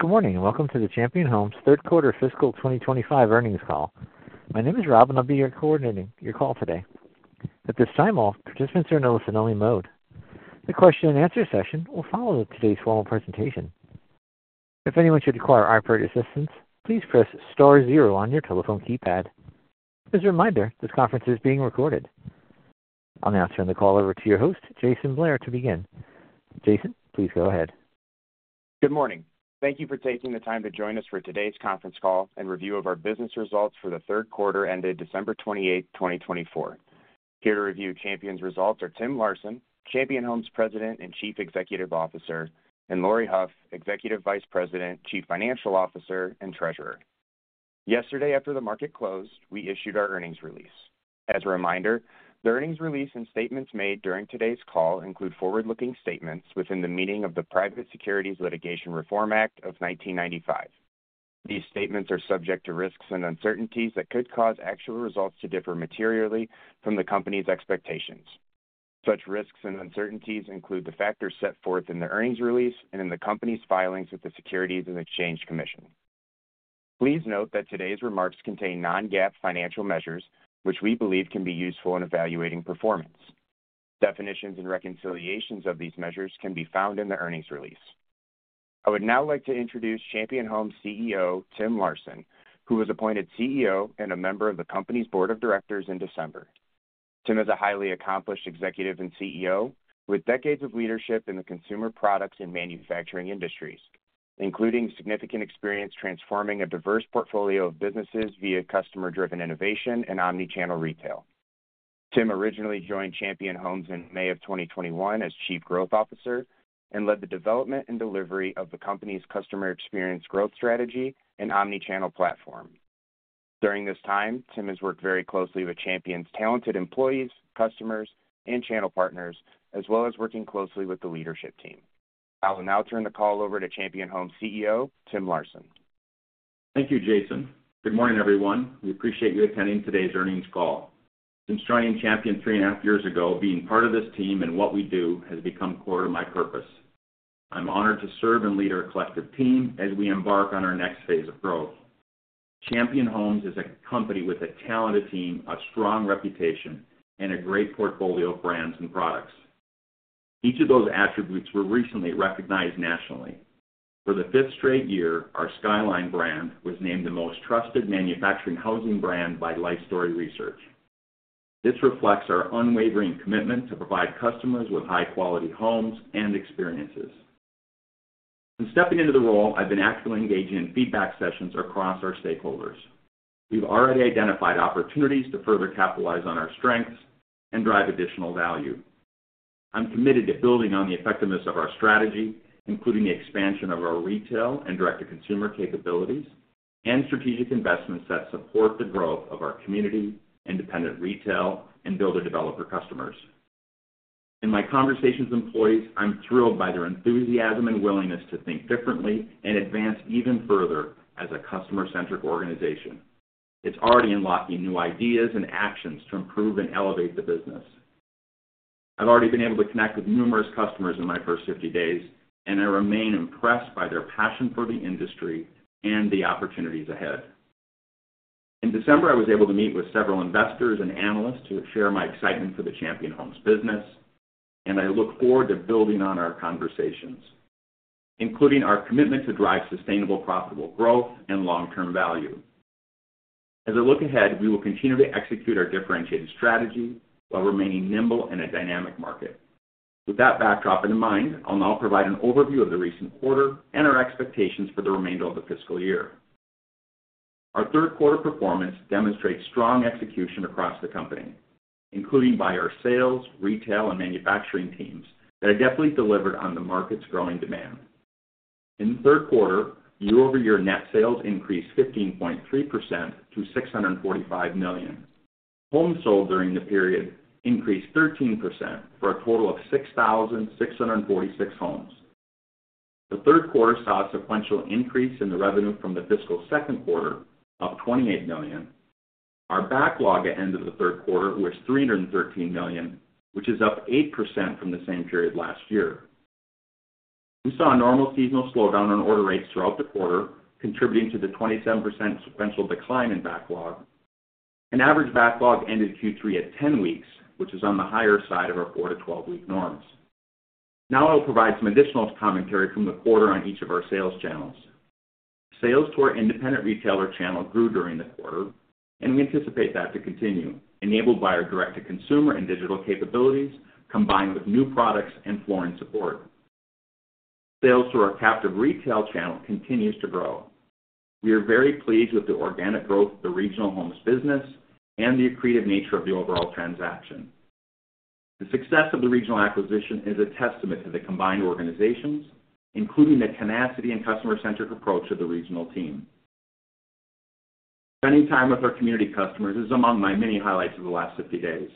Good morning and welcome to the Champion Homes third quarter fiscal 2025 earnings call. My name is Rob, and I'll be your coordinator for your call today. At this time, all participants are in a listen-only mode. The question-and-answer session will follow today's formal presentation. If anyone should require operator assistance, please press star zero on your telephone keypad. As a reminder, this conference is being recorded. I'll now turn the call over to your host, Jason Blair, to begin. Jason, please go ahead. Good morning. Thank you for taking the time to join us for today's conference call and review of our business results for the third quarter ended December 28th, 2024. Here to review Champion's results are Tim Larson, Champion Homes President and Chief Executive Officer, and Laurie Hough, Executive Vice President, Chief Financial Officer, and Treasurer. Yesterday, after the market closed, we issued our earnings release. As a reminder, the earnings release and statements made during today's call include forward-looking statements within the meaning of the Private Securities Litigation Reform Act of 1995. These statements are subject to risks and uncertainties that could cause actual results to differ materially from the company's expectations. Such risks and uncertainties include the factors set forth in the earnings release and in the company's filings with the Securities and Exchange Commission. Please note that today's remarks contain non-GAAP financial measures, which we believe can be useful in evaluating performance. Definitions and reconciliations of these measures can be found in the earnings release. I would now like to introduce Champion Homes CEO, Tim Larson, who was appointed CEO and a member of the company's board of directors in December. Tim is a highly accomplished executive and CEO with decades of leadership in the consumer products and manufacturing industries, including significant experience transforming a diverse portfolio of businesses via customer-driven innovation and omnichannel retail. Tim originally joined Champion Homes in May of 2021 as Chief Growth Officer and led the development and delivery of the company's customer experience growth strategy and omnichannel platform. During this time, Tim has worked very closely with Champion's talented employees, customers, and channel partners, as well as working closely with the leadership team. I will now turn the call over to Champion Homes CEO, Tim Larson. Thank you, Jason. Good morning, everyone. We appreciate you attending today's earnings call. Since joining Champion 3.5 years ago, being part of this team and what we do has become core to my purpose. I'm honored to serve and lead our collective team as we embark on our next phase of growth. Champion Homes is a company with a talented team, a strong reputation, and a great portfolio of brands and products. Each of those attributes were recently recognized nationally. For the fifth straight year, our Skyline brand was named the most trusted manufactured housing brand by Lifestory Research. This reflects our unwavering commitment to provide customers with high-quality homes and experiences. Since stepping into the role, I've been actively engaging in feedback sessions across our stakeholders. We've already identified opportunities to further capitalize on our strengths and drive additional value. I'm committed to building on the effectiveness of our strategy, including the expansion of our retail and direct-to-consumer capabilities and strategic investments that support the growth of our community, independent retail, and builder-developer customers. In my conversations with employees, I'm thrilled by their enthusiasm and willingness to think differently and advance even further as a customer-centric organization. It's already unlocking new ideas and actions to improve and elevate the business. I've already been able to connect with numerous customers in my first 50 days, and I remain impressed by their passion for the industry and the opportunities ahead. In December, I was able to meet with several investors and analysts to share my excitement for the Champion Homes business, and I look forward to building on our conversations, including our commitment to drive sustainable, profitable growth and long-term value. As I look ahead, we will continue to execute our differentiated strategy while remaining nimble in a dynamic market. With that backdrop in mind, I'll now provide an overview of the recent quarter and our expectations for the remainder of the fiscal year. Our third quarter performance demonstrates strong execution across the company, including by our sales, retail, and manufacturing teams that have definitely delivered on the market's growing demand. In the third quarter, year-over-year net sales increased 15.3% to $645 million. Homes sold during the period increased 13% for a total of 6,646 homes. The third quarter saw a sequential increase in the revenue from the fiscal second quarter of $28 million. Our backlog at the end of the third quarter was $313 million, which is up 8% from the same period last year. We saw a normal seasonal slowdown on order rates throughout the quarter, contributing to the 27% sequential decline in backlog. An average backlog ended Q3 at 10 weeks, which is on the higher side of our 4-12-week norms. Now I'll provide some additional commentary from the quarter on each of our sales channels. Sales to our independent retailer channel grew during the quarter, and we anticipate that to continue, enabled by our direct-to-consumer and digital capabilities combined with new products and floor plan support. Sales to our captive retail channel continues to grow. We are very pleased with the organic growth of the Regional Homes business and the accretive nature of the overall transaction. The success of the Regional acquisition is a testament to the combined organizations, including the tenacity and customer-centric approach of the Regional team. Spending time with our community customers is among my many highlights of the last 50 days.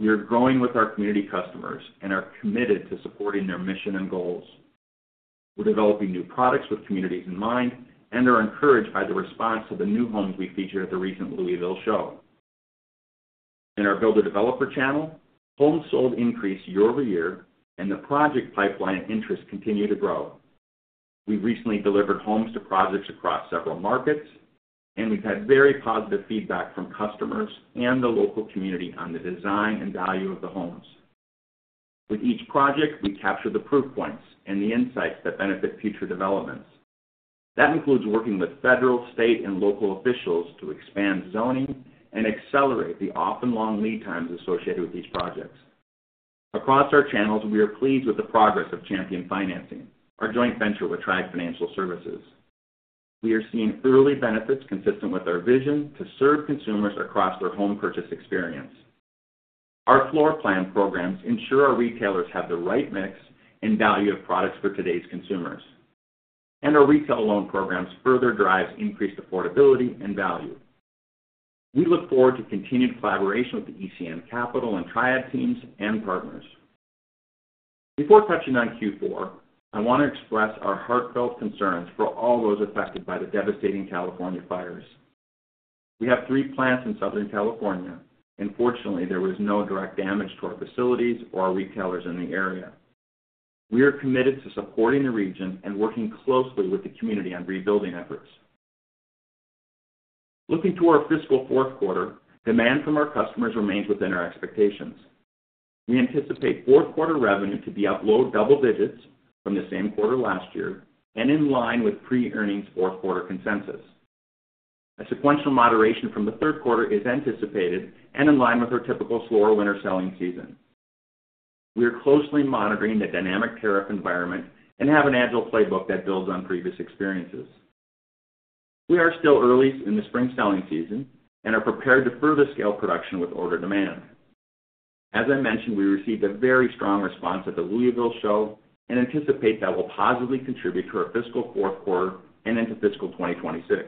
We are growing with our community customers and are committed to supporting their mission and goals. We're developing new products with communities in mind and are encouraged by the response to the new homes we featured at the recent Louisville Show. In our builder-developer channel, homes sold increased year-over-year, and the project pipeline interest continued to grow. We recently delivered homes to projects across several markets, and we've had very positive feedback from customers and the local community on the design and value of the homes. With each project, we capture the proof points and the insights that benefit future developments. That includes working with federal, state, and local officials to expand zoning and accelerate the often-long lead times associated with these projects. Across our channels, we are pleased with the progress of Champion Financing, our joint venture with Triad Financial Services. We are seeing early benefits consistent with our vision to serve consumers across their home purchase experience. Our floor plan programs ensure our retailers have the right mix and value of products for today's consumers, and our retail loan programs further drive increased affordability and value. We look forward to continued collaboration with the ECN Capital and Triad teams and partners. Before touching on Q4, I want to express our heartfelt concerns for all those affected by the devastating California fires. We have three plants in Southern California, and fortunately, there was no direct damage to our facilities or our retailers in the area. We are committed to supporting the region and working closely with the community on rebuilding efforts. Looking to our fiscal fourth quarter, demand from our customers remains within our expectations. We anticipate fourth quarter revenue to be up low double digits from the same quarter last year and in line with pre-earnings fourth quarter consensus. A sequential moderation from the third quarter is anticipated and in line with our typical slower winter selling season. We are closely monitoring the dynamic tariff environment and have an agile playbook that builds on previous experiences. We are still early in the spring selling season and are prepared to further scale production with order demand. As I mentioned, we received a very strong response at the Louisville show and anticipate that will positively contribute to our fiscal fourth quarter and into fiscal 2026.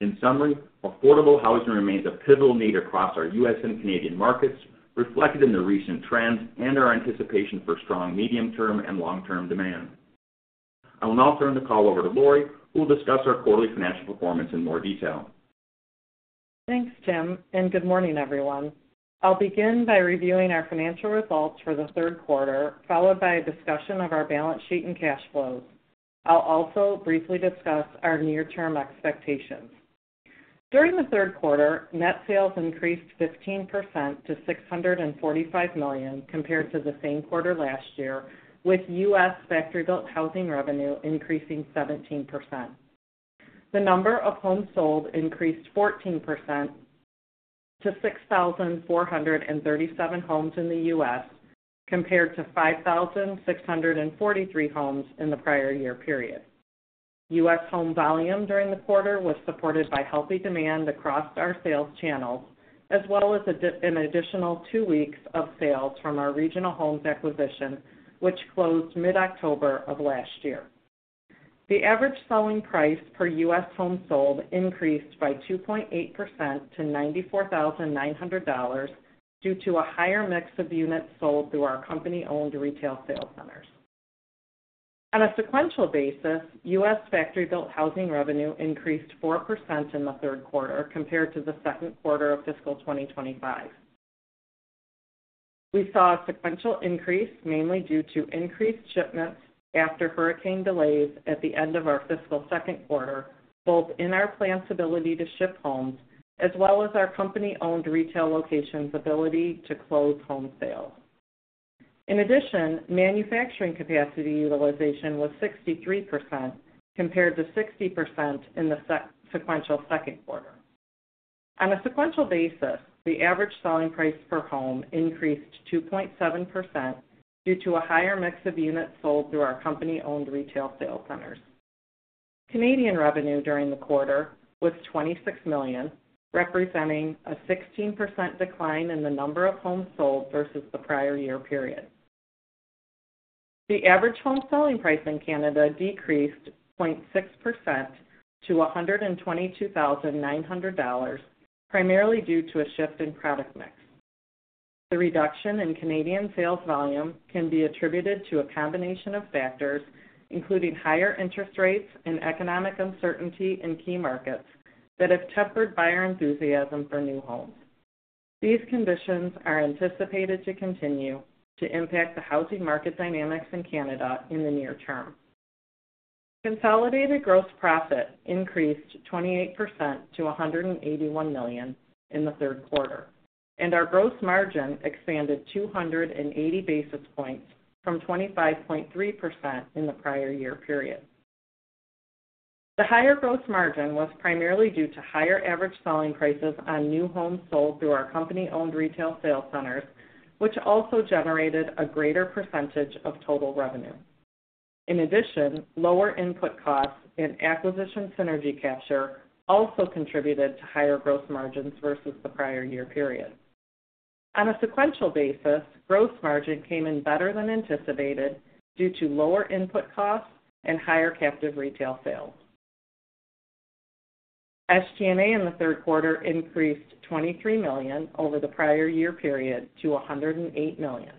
In summary, affordable housing remains a pivotal need across our U.S. and Canadian markets, reflected in the recent trends and our anticipation for strong medium-term and long-term demand. I will now turn the call over to Laurie, who will discuss our quarterly financial performance in more detail. Thanks, Tim, and good morning, everyone. I'll begin by reviewing our financial results for the third quarter, followed by a discussion of our balance sheet and cash flows. I'll also briefly discuss our near-term expectations. During the third quarter, net sales increased 15% to $645 million compared to the same quarter last year, with U.S. factory-built housing revenue increasing 17%. The number of homes sold increased 14% to 6,437 homes in the U.S., compared to 5,643 homes in the prior year period. U.S. home volume during the quarter was supported by healthy demand across our sales channels, as well as an additional two weeks of sales from our Regional Homes acquisition, which closed mid-October of last year. The average selling price per U.S. home sold increased by 2.8% to $94,900 due to a higher mix of units sold through our company-owned retail sales centers. On a sequential basis, U.S. Factory-built housing revenue increased 4% in the third quarter compared to the second quarter of fiscal 2025. We saw a sequential increase mainly due to increased shipments after hurricane delays at the end of our fiscal second quarter, both in our plant's ability to ship homes as well as our company-owned retail location's ability to close home sales. In addition, manufacturing capacity utilization was 63% compared to 60% in the sequential second quarter. On a sequential basis, the average selling price per home increased 2.7% due to a higher mix of units sold through our company-owned retail sales centers. Canadian revenue during the quarter was $26 million, representing a 16% decline in the number of homes sold versus the prior year period. The average home selling price in Canada decreased 0.6% to $122,900, primarily due to a shift in product mix. The reduction in Canadian sales volume can be attributed to a combination of factors, including higher interest rates and economic uncertainty in key markets that have tempered buyer enthusiasm for new homes. These conditions are anticipated to continue to impact the housing market dynamics in Canada in the near term. Consolidated gross profit increased 28% to $181 million in the third quarter, and our gross margin expanded 280 basis points from 25.3% in the prior year period. The higher gross margin was primarily due to higher average selling prices on new homes sold through our company-owned retail sales centers, which also generated a greater percentage of total revenue. In addition, lower input costs and acquisition synergy capture also contributed to higher gross margins versus the prior year period. On a sequential basis, gross margin came in better than anticipated due to lower input costs and higher captive retail sales. SG&A in the third quarter increased $23 million over the prior year period to $108 million.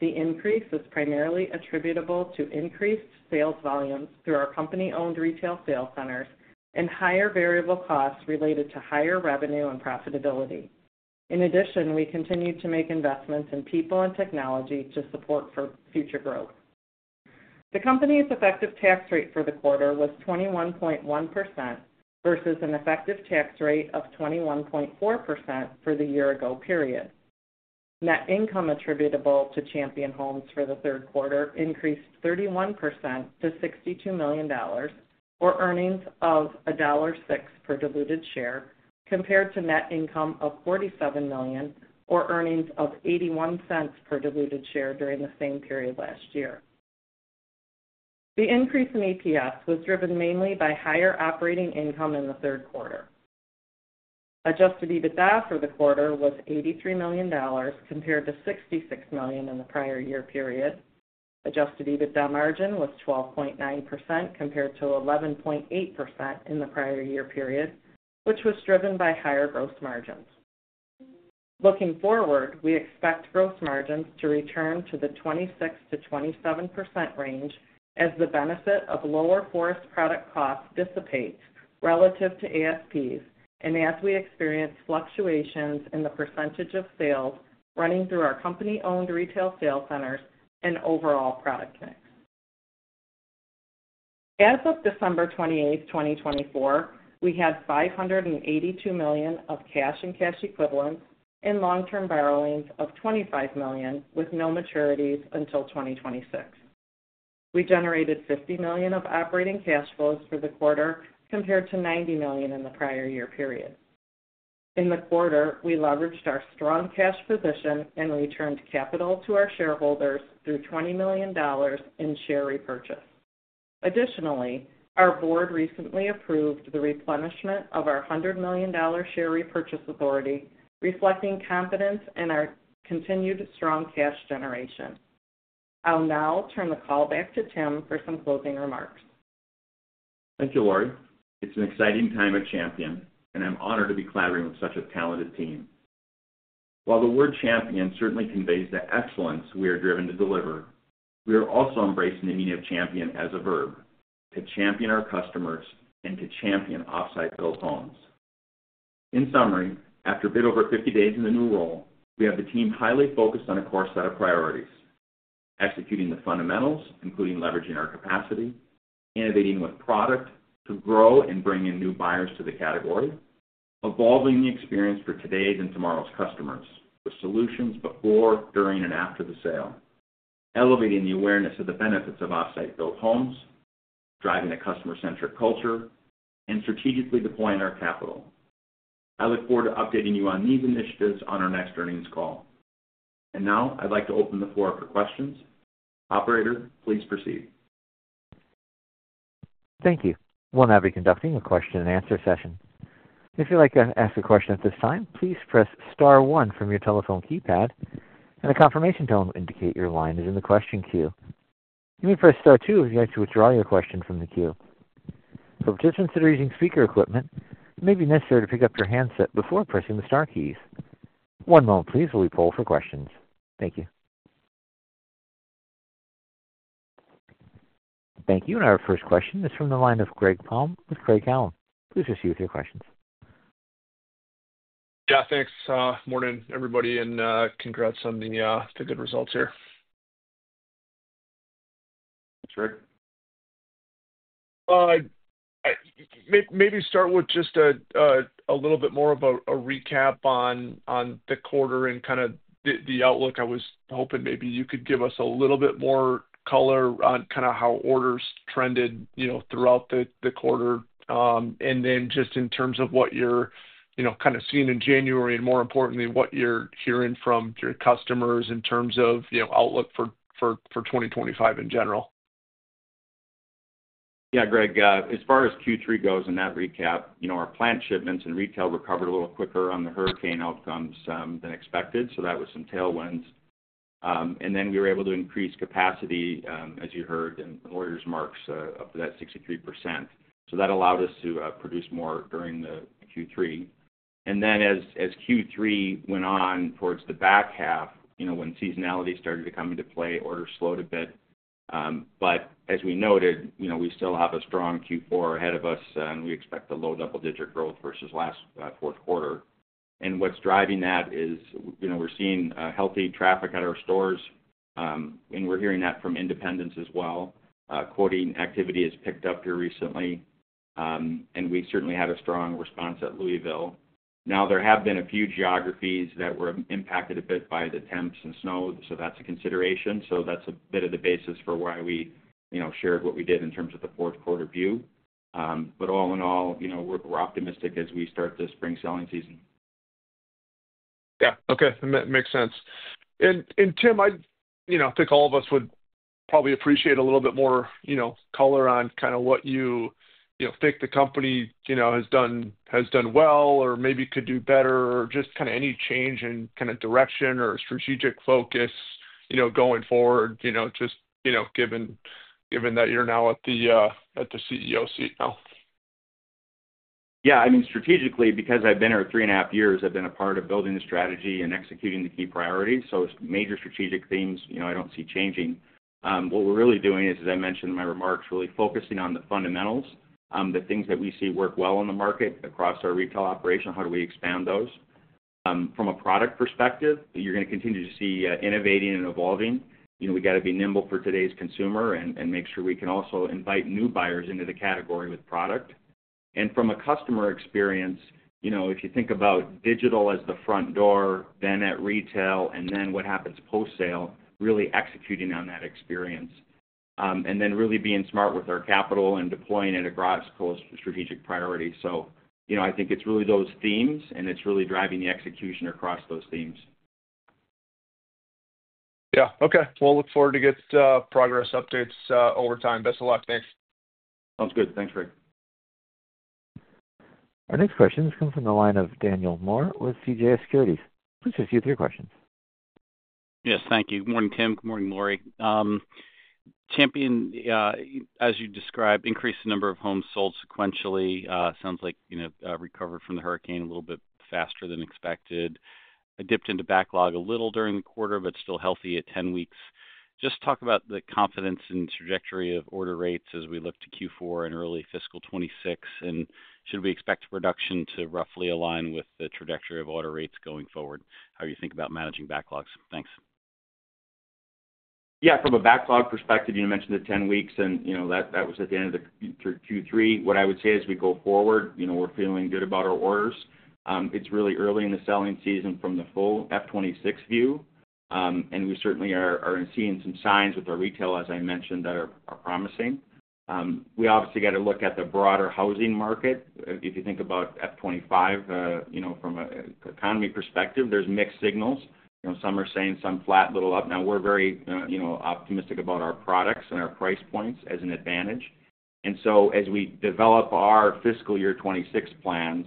The increase is primarily attributable to increased sales volumes through our company-owned retail sales centers and higher variable costs related to higher revenue and profitability. In addition, we continued to make investments in people and technology to support future growth. The company's effective tax rate for the quarter was 21.1% versus an effective tax rate of 21.4% for the year-ago period. Net income attributable to Champion Homes for the third quarter increased 31% to $62 million, or earnings of $1.06 per diluted share, compared to net income of $47 million, or earnings of $0.81 per diluted share during the same period last year. The increase in EPS was driven mainly by higher operating income in the third quarter. Adjusted EBITDA for the quarter was $83 million compared to $66 million in the prior year period. Adjusted EBITDA margin was 12.9% compared to 11.8% in the prior year period, which was driven by higher gross margins. Looking forward, we expect gross margins to return to the 26%-27% range as the benefit of lower forest product costs dissipates relative to ASPs and as we experience fluctuations in the percentage of sales running through our company-owned retail sales centers and overall product mix. As of December 28, 2024, we had $582 million of cash and cash equivalents and long-term borrowings of $25 million with no maturities until 2026. We generated $50 million of operating cash flows for the quarter compared to $90 million in the prior year period. In the quarter, we leveraged our strong cash position and returned capital to our shareholders through $20 million in share repurchase. Additionally, our board recently approved the replenishment of our $100 million share repurchase authority, reflecting confidence in our continued strong cash generation. I'll now turn the call back to Tim for some closing remarks. Thank you, Laurie. It's an exciting time at Champion, and I'm honored to be collaborating with such a talented team. While the word champion certainly conveys the excellence we are driven to deliver, we are also embracing the meaning of champion as a verb, to champion our customers and to champion off-site-built homes. In summary, after a bit over 50 days in the new role, we have the team highly focused on a core set of priorities: executing the fundamentals, including leveraging our capacity, innovating with product to grow and bring in new buyers to the category, evolving the experience for today's and tomorrow's customers with solutions before, during, and after the sale, elevating the awareness of the benefits of off-site-built homes, driving a customer-centric culture, and strategically deploying our capital. I look forward to updating you on these initiatives on our next earnings call. Now I'd like to open the floor for questions. Operator, please proceed. Thank you. We'll now be conducting a question-and-answer session. If you'd like to ask a question at this time, please press star one from your telephone keypad, and a confirmation tone will indicate your line is in the question queue. You may press star two if you'd like to withdraw your question from the queue. For participants that are using speaker equipment, it may be necessary to pick up your handset before pressing the star keys. One moment, please, while we pull for questions. Thank you. Thank you. And our first question is from the line of Greg Palm with Craig-Hallum. Please proceed with your questions. Yeah, thanks. Morning, everybody, and congrats on the good results here. That's right. Maybe start with just a little bit more of a recap on the quarter and kind of the outlook. I was hoping maybe you could give us a little bit more color on kind of how orders trended throughout the quarter, and then just in terms of what you're kind of seeing in January, and more importantly, what you're hearing from your customers in terms of outlook for 2025 in general. Yeah, Greg, as far as Q3 goes in that recap, our plant shipments and retail recovered a little quicker on the hurricane outcomes than expected, so that was some tailwinds, and then we were able to increase capacity, as you heard, and utilization up to that 63%, so that allowed us to produce more during Q3, and then as Q3 went on towards the back half, when seasonality started to come into play, orders slowed a bit, but as we noted, we still have a strong Q4 ahead of us, and we expect a low double-digit growth versus last fourth quarter, and what's driving that is we're seeing healthy traffic at our stores, and we're hearing that from independents as well. Quoting activity has picked up here recently, and we certainly had a strong response at Louisville. Now, there have been a few geographies that were impacted a bit by the temps and snow, so that's a consideration. So that's a bit of the basis for why we shared what we did in terms of the fourth quarter view. But all in all, we're optimistic as we start this spring selling season. Yeah. Okay. That makes sense. And Tim, I think all of us would probably appreciate a little bit more color on kind of what you think the company has done well or maybe could do better, or just kind of any change in kind of direction or strategic focus going forward, just given that you're now at the CEO seat now. Yeah. I mean, strategically, because I've been here three and a half years, I've been a part of building the strategy and executing the key priorities. So it's major strategic themes I don't see changing. What we're really doing is, as I mentioned in my remarks, really focusing on the fundamentals, the things that we see work well in the market across our retail operation, how do we expand those. From a product perspective, you're going to continue to see innovating and evolving. We got to be nimble for today's consumer and make sure we can also invite new buyers into the category with product. And from a customer experience, if you think about digital as the front door, then at retail, and then what happens post-sale, really executing on that experience, and then really being smart with our capital and deploying it across both strategic priorities. So I think it's really those themes, and it's really driving the execution across those themes. Yeah. Okay. Well, look forward to getting progress updates over time. Best of luck. Thanks. Sounds good. Thanks, Greg. Our next question is coming from the line of Daniel Moore with CJS Securities. Please proceed with your questions. Yes. Thank you. Good morning, Tim. Good morning, Laurie. Champion, as you described, increased the number of homes sold sequentially. Sounds like recovered from the hurricane a little bit faster than expected. I dipped into backlog a little during the quarter, but still healthy at 10 weeks. Just talk about the confidence in the trajectory of order rates as we look to Q4 and early fiscal 2026, and should we expect production to roughly align with the trajectory of order rates going forward? How do you think about managing backlogs? Thanks. Yeah. From a backlog perspective, you mentioned the 10 weeks, and that was at the end of Q3. What I would say as we go forward, we're feeling good about our orders. It's really early in the selling season from the full FY 2026 view, and we certainly are seeing some signs with our retail, as I mentioned, that are promising. We obviously got to look at the broader housing market. If you think about FY 2025, from an economy perspective, there's mixed signals. Some are saying some flat little up. Now, we're very optimistic about our products and our price points as an advantage. And so as we develop our fiscal year 2026 plans,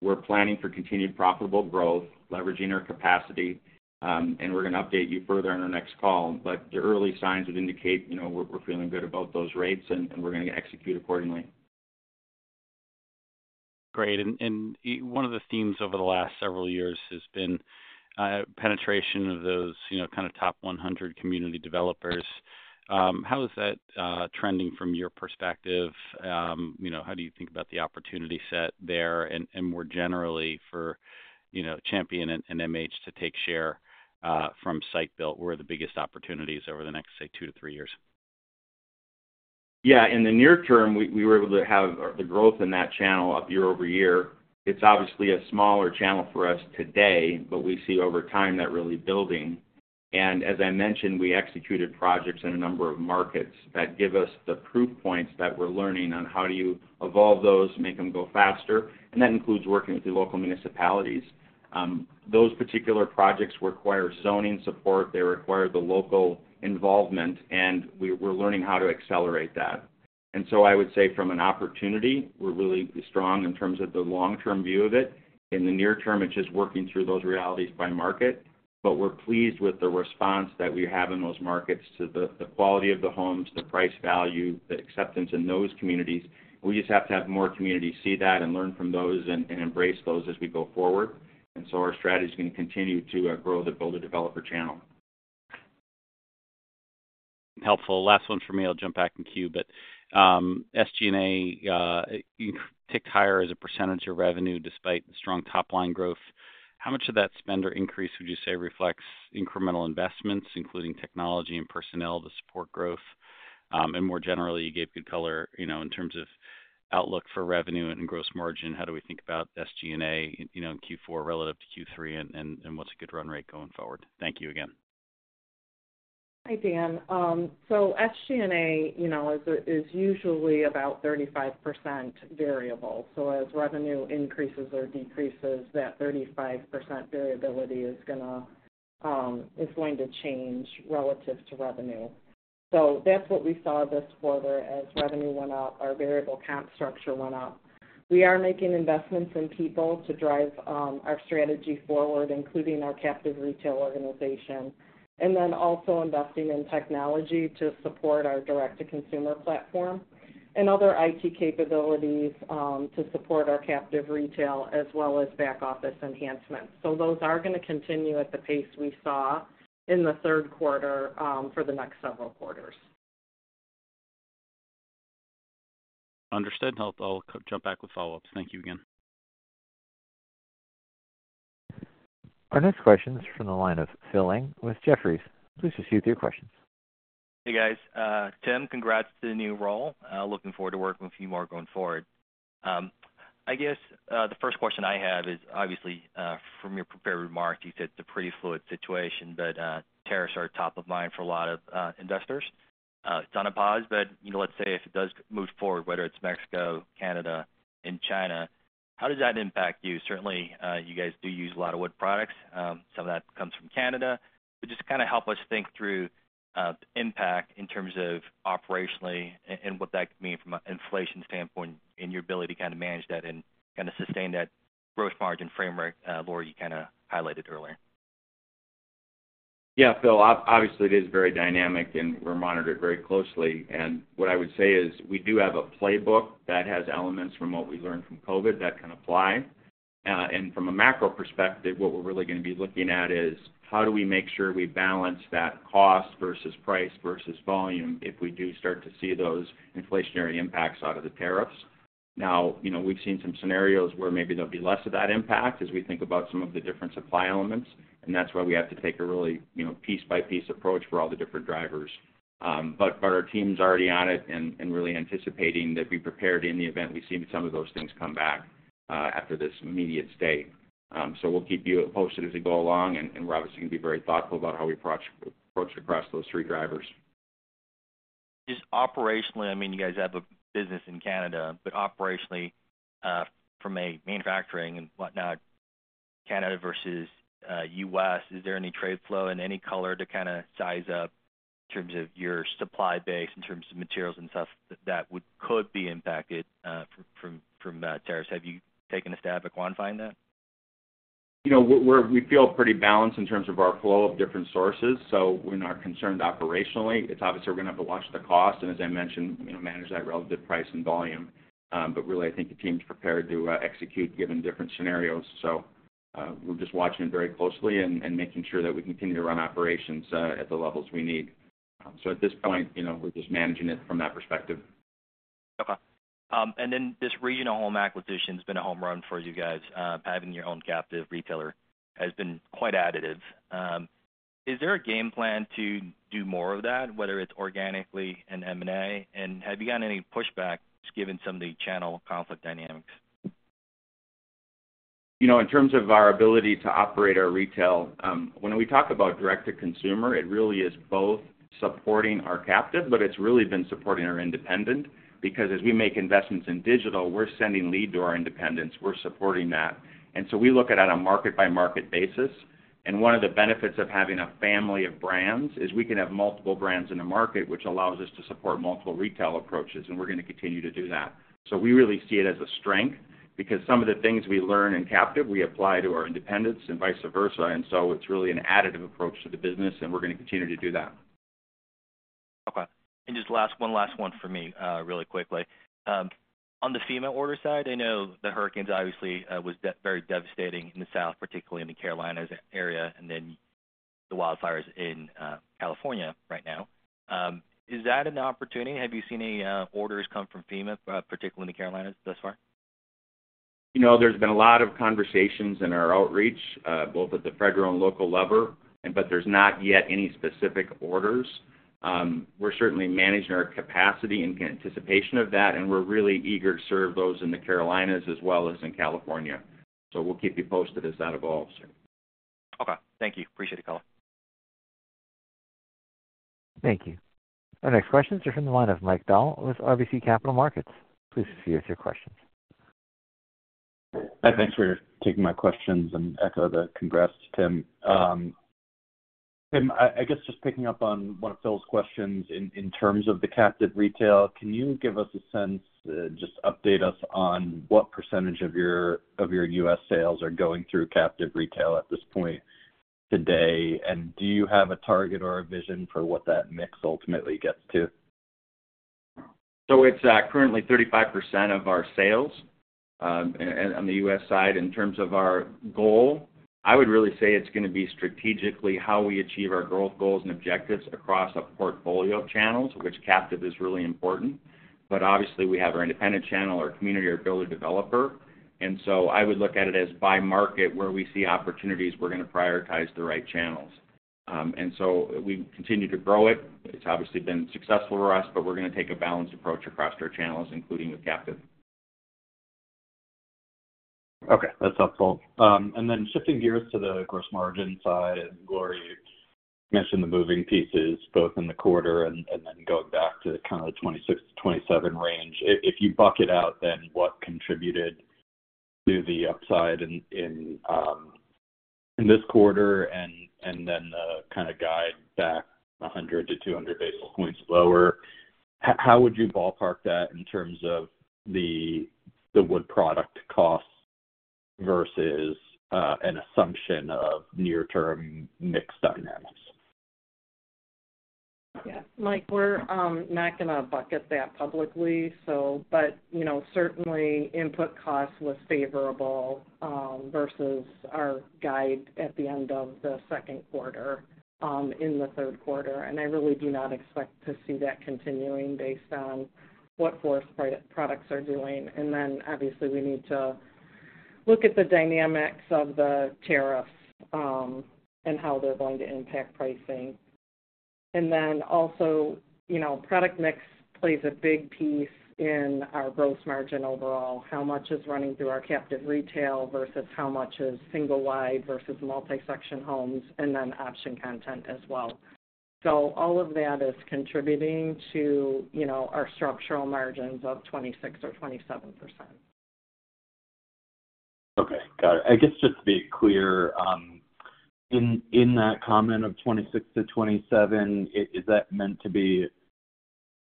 we're planning for continued profitable growth, leveraging our capacity, and we're going to update you further in our next call. The early signs would indicate we're feeling good about those rates, and we're going to execute accordingly. Great. And one of the themes over the last several years has been penetration of those kind of top 100 community developers. How is that trending from your perspective? How do you think about the opportunity set there and more generally for Champion and MH to take share from site-built? Where are the biggest opportunities over the next, say, two to three years? Yeah. In the near term, we were able to have the growth in that channel up year over year. It's obviously a smaller channel for us today, but we see over time that really building. And as I mentioned, we executed projects in a number of markets that give us the proof points that we're learning on how do you evolve those, make them go faster, and that includes working with the local municipalities. Those particular projects require zoning support. They require the local involvement, and we're learning how to accelerate that. And so I would say from an opportunity, we're really strong in terms of the long-term view of it. In the near term, it's just working through those realities by market, but we're pleased with the response that we have in those markets to the quality of the homes, the price value, the acceptance in those communities. We just have to have more communities see that and learn from those and embrace those as we go forward, and so our strategy is going to continue to grow the builder-developer channel. Helpful. Last one for me. I'll jump back in queue, but SG&A ticked higher as a percentage of revenue despite strong top-line growth. How much of that spend or increase would you say reflects incremental investments, including technology and personnel to support growth? And more generally, you gave good color in terms of outlook for revenue and gross margin. How do we think about SG&A in Q4 relative to Q3, and what's a good run rate going forward? Thank you again. Hi, Dan. So SG&A is usually about 35% variable. So as revenue increases or decreases, that 35% variability is going to change relative to revenue. So that's what we saw this quarter. As revenue went up, our variable cost structure went up. We are making investments in people to drive our strategy forward, including our captive retail organization, and then also investing in technology to support our direct-to-consumer platform and other IT capabilities to support our captive retail as well as back-office enhancements. So those are going to continue at the pace we saw in the third quarter for the next several quarters. Understood. I'll jump back with follow-ups. Thank you again. Our next question is from the line of Philip Ng with Jefferies. Please proceed with your questions. Hey, guys. Tim, congrats to the new role. Looking forward to working with you more going forward. I guess the first question I have is obviously from your prepared remarks. You said it's a pretty fluid situation, but tariffs are top of mind for a lot of investors. It's on a pause, but let's say if it does move forward, whether it's Mexico, Canada, and China, how does that impact you? Certainly, you guys do use a lot of wood products. Some of that comes from Canada. But just kind of help us think through impact in terms of operationally and what that could mean from an inflation standpoint and your ability to kind of manage that and kind of sustain that gross margin framework, Laurie, you kind of highlighted earlier. Yeah, Phil so obviously, it is very dynamic, and we're monitored very closely. What I would say is we do have a playbook that has elements from what we learned from COVID that can apply. From a macro perspective, what we're really going to be looking at is how do we make sure we balance that cost versus price versus volume if we do start to see those inflationary impacts out of the tariffs. Now, we've seen some scenarios where maybe there'll be less of that impact as we think about some of the different supply elements, and that's why we have to take a really piece-by-piece approach for all the different drivers. Our team's already on it and really anticipating that we're prepared in the event we see some of those things come back after this immediate stay. So we'll keep you posted as we go along, and we're obviously going to be very thoughtful about how we approach across those three drivers. Just operationally, I mean, you guys have a business in Canada, but operationally, from a manufacturing and whatnot, Canada versus U.S., is there any trade flow in any color to kind of size up in terms of your supply base, in terms of materials and stuff that could be impacted from tariffs? Have you taken a stab at quantifying that? We feel pretty balanced in terms of our flow of different sources, so we're not concerned operationally. It's obviously we're going to have to watch the cost and, as I mentioned, manage that relative price and volume. But really, I think the team's prepared to execute given different scenarios. So we're just watching it very closely and making sure that we continue to run operations at the levels we need. So at this point, we're just managing it from that perspective. Okay. And then this Regional Homes acquisition has been a home run for you guys. Having your own captive retailer has been quite additive. Is there a game plan to do more of that, whether it's organically and M&A? And have you gotten any pushback just given some of the channel conflict dynamics? In terms of our ability to operate our retail, when we talk about direct-to-consumer, it really is both supporting our captive, but it's really been supporting our independent because as we make investments in digital, we're sending lead to our independents. We're supporting that. And so we look at it on a market-by-market basis. And one of the benefits of having a family of brands is we can have multiple brands in the market, which allows us to support multiple retail approaches, and we're going to continue to do that. So we really see it as a strength because some of the things we learn in captive, we apply to our independents and vice versa. And so it's really an additive approach to the business, and we're going to continue to do that. Okay. And just one last one for me really quickly. On the FEMA order side, I know the hurricane obviously was very devastating in the south, particularly in the Carolinas area, and then the wildfires in California right now. Is that an opportunity? Have you seen any orders come from FEMA, particularly in the Carolinas thus far? There's been a lot of conversations in our outreach, both at the federal and local level, but there's not yet any specific orders. We're certainly managing our capacity in anticipation of that, and we're really eager to serve those in the Carolinas as well as in California. So we'll keep you posted as that evolves. Okay. Thank you. Appreciate the call. Thank you. Our next questions are from the line of Mike Dahl with RBC Capital Markets. Please proceed with your questions. Hi. Thanks for taking my questions and echo the congrats, Tim. Tim, I guess just picking up on one of Phil's questions in terms of the captive retail, can you give us a sense, just update us on what percentage of your U.S. sales are going through captive retail at this point today, and do you have a target or a vision for what that mix ultimately gets to? So it's currently 35% of our sales on the U.S. side. In terms of our goal, I would really say it's going to be strategically how we achieve our growth goals and objectives across a portfolio of channels, which captive is really important. But obviously, we have our independent channel, our community, our builder-developer. And so I would look at it as by market where we see opportunities, we're going to prioritize the right channels. And so we continue to grow it. It's obviously been successful for us, but we're going to take a balanced approach across our channels, including with captive. Okay. That's helpful. And then shifting gears to the gross margin side, Laurie, you mentioned the moving pieces both in the quarter and then going back to kind of the 26%-27% range. If you bucket out, then what contributed to the upside in this quarter and then kind of guide back 100-200 basis points lower, how would you ballpark that in terms of the wood product costs versus an assumption of near-term mix dynamics? Yeah. Mike, we're not going to bucket that publicly, but certainly, input cost was favorable versus our guide at the end of the second quarter in the third quarter, and I really do not expect to see that continuing based on what forest products are doing, and then obviously, we need to look at the dynamics of the tariffs and how they're going to impact pricing, and then also, product mix plays a big piece in our gross margin overall. How much is running through our captive retail versus how much is single-wide versus multi-section homes, and then option content as well, so all of that is contributing to our structural margins of 26% or 27%. Okay. Got it. I guess just to be clear, in that comment of 26%-27%, is that meant to be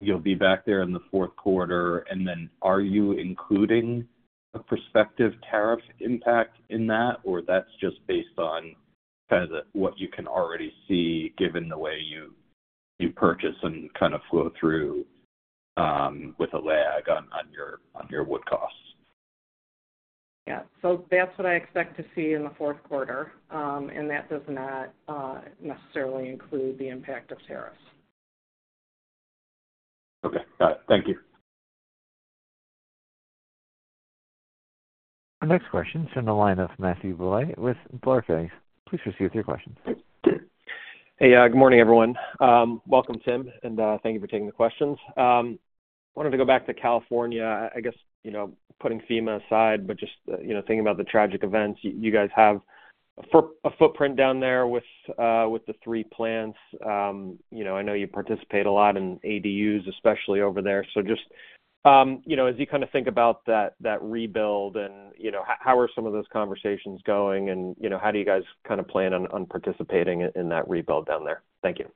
you'll be back there in the fourth quarter, and then are you including a prospective tariff impact in that, or that's just based on kind of what you can already see given the way you purchase and kind of flow through with a lag on your wood costs? Yeah. So that's what I expect to see in the fourth quarter, and that does not necessarily include the impact of tariffs. Okay. Got it. Thank you. Our next question is from the line of Matthew Bouley with Barclays. Please proceed with your questions. Hey. Good morning, everyone. Welcome, Tim, and thank you for taking the questions. Wanted to go back to California. I guess putting FEMA aside, but just thinking about the tragic events, you guys have a footprint down there with the three plants. I know you participate a lot in ADUs, especially over there. So just as you kind of think about that rebuild, how are some of those conversations going, and how do you guys kind of plan on participating in that rebuild down there? Thank you.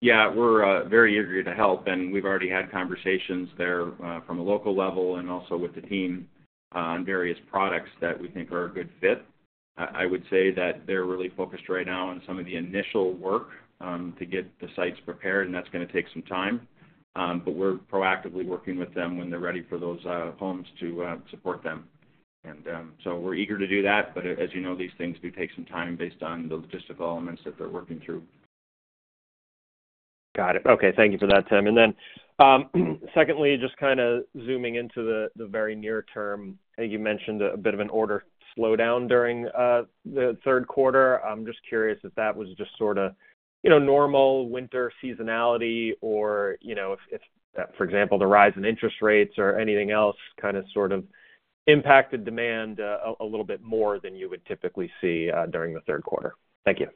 Yeah. We're very eager to help, and we've already had conversations there from a local level and also with the team on various products that we think are a good fit. I would say that they're really focused right now on some of the initial work to get the sites prepared, and that's going to take some time. But we're proactively working with them when they're ready for those homes to support them. And so we're eager to do that, but as you know, these things do take some time based on the logistical elements that they're working through. Got it. Okay. Thank you for that, Tim. And then secondly, just kind of zooming into the very near term, I think you mentioned a bit of an order slowdown during the third quarter. I'm just curious if that was just sort of normal winter seasonality or if, for example, the rise in interest rates or anything else kind of sort of impacted demand a little bit more than you would typically see during the third quarter. Thank you.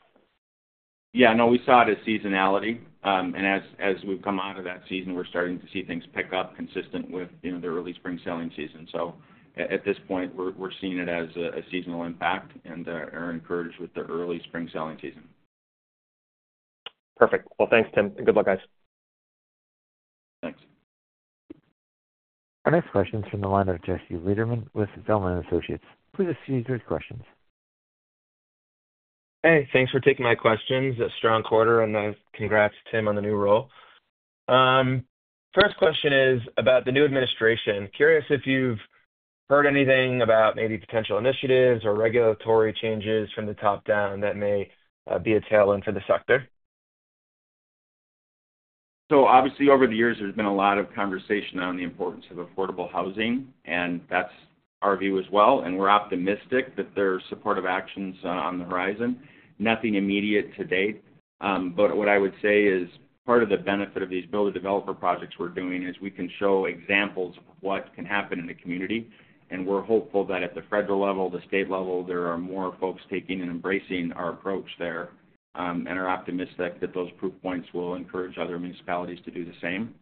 Yeah. No, we saw it as seasonality. And as we've come out of that season, we're starting to see things pick up consistent with the early spring selling season. So at this point, we're seeing it as a seasonal impact and are encouraged with the early spring selling season. Perfect. Well, thanks, Tim. And good luck, guys. Thanks. Our next question is from the line of Jesse Lederman with Zelman & Associates. Please proceed with your questions. Hey. Thanks for taking my questions. It's a strong quarter, and congrats, Tim, on the new role. First question is about the new administration. Curious if you've heard anything about maybe potential initiatives or regulatory changes from the top down that may be a tailwind for the sector? So obviously, over the years, there's been a lot of conversation on the importance of affordable housing, and that's our view as well. And we're optimistic that there are supportive actions on the horizon. Nothing immediate to date. But what I would say is part of the benefit of these builder-developer projects we're doing is we can show examples of what can happen in the community. And we're hopeful that at the federal level, the state level, there are more folks taking and embracing our approach there. And I'm optimistic that those proof points will encourage other municipalities to do the same.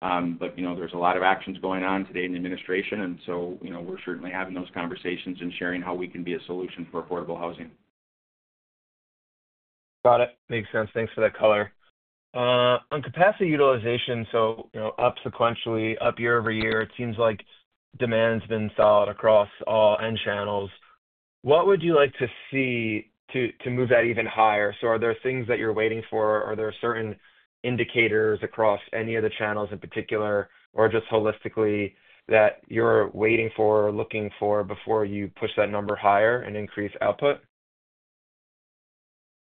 But there's a lot of actions going on today in the administration, and so we're certainly having those conversations and sharing how we can be a solution for affordable housing. Got it. Makes sense. Thanks for that color. On capacity utilization, so up sequentially, up year over year, it seems like demand has been solid across all end channels. What would you like to see to move that even higher? So are there things that you're waiting for? Are there certain indicators across any of the channels in particular or just holistically that you're waiting for or looking for before you push that number higher and increase output?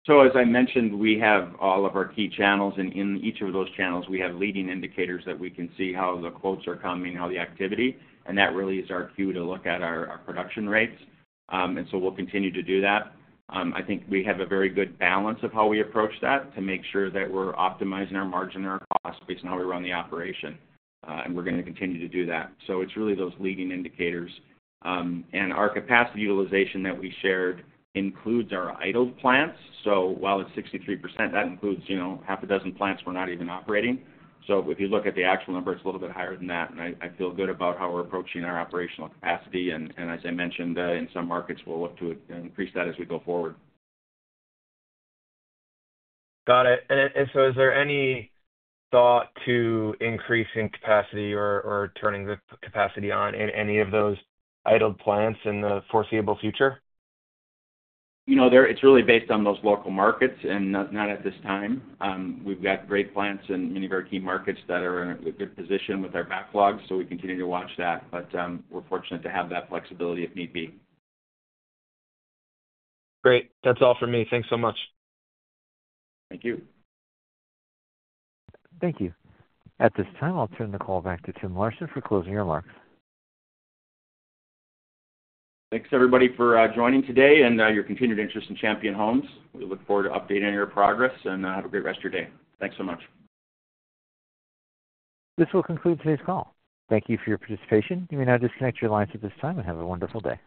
So as I mentioned, we have all of our key channels, and in each of those channels, we have leading indicators that we can see how the quotes are coming, how the activity, and that really is our cue to look at our production rates, and so we'll continue to do that. I think we have a very good balance of how we approach that to make sure that we're optimizing our margin and our cost based on how we run the operation, and we're going to continue to do that, so it's really those leading indicators, and our capacity utilization that we shared includes our idle plants, so while it's 63%, that includes half a dozen plants we're not even operating. So if you look at the actual number, it's a little bit higher than that, and I feel good about how we're approaching our operational capacity. As I mentioned, in some markets, we'll look to increase that as we go forward. Got it. And so is there any thought to increasing capacity or turning the capacity on in any of those idle plants in the foreseeable future? It's really based on those local markets and not at this time. We've got great plants in many very key markets that are in a good position with our backlog, so we continue to watch that. But we're fortunate to have that flexibility if need be. Great. That's all for me. Thanks so much. Thank you. Thank you. At this time, I'll turn the call back to Tim Larson for closing remarks. Thanks, everybody, for joining today and your continued interest in Champion Homes. We look forward to updating your progress and have a great rest of your day. Thanks so much. This will conclude today's call. Thank you for your participation. You may now disconnect your lines at this time and have a wonderful day.